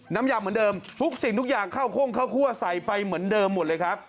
น้ำยำเหมือนเดิมทุกสิ่งทุกอย่างเข้าโค้งข้าวคั่วใส่ไปเหมือนเดิมหมดเลยครับ